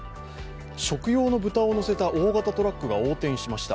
食用の豚を載せた大型トラックが横転しました。